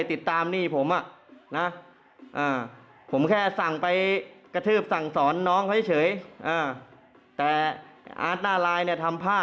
ติดตามหนี้ผมอ่ะนะผมแค่สั่งไปกระทืบสั่งสอนน้องเขาเฉยแต่อาร์ตหน้าลายเนี่ยทำผ้า